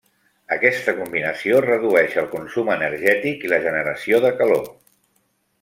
Aquesta combinació redueix el consum energètic i la generació de calor.